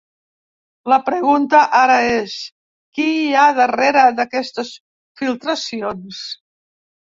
La pregunta ara és: qui hi ha darrere d’aquestes filtracions?